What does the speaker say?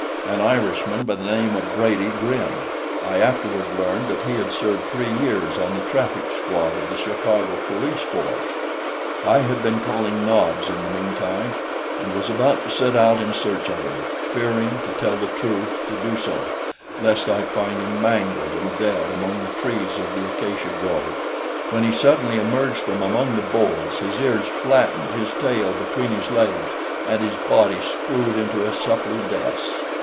An Irishman by the name of Brady grinned. I afterward learned that he had served three years on the traffic squad of the Chicago police force. I had been calling Nobs in the meantime and was about to set out in search of him, fearing, to tell the truth, to do so lest I find him mangled and dead among the trees of the acacia grove, when he suddenly emerged from among the boles, his ears flattened, his tail between his legs and his body screwed into a suppliant S.